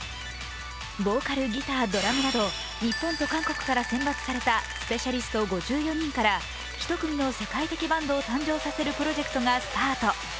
ボーカル、ギター、ドラムなど日本と韓国から選抜されたスペシャリスト５４人から１組の世界的バンドを誕生させるプロジェクトがスタート。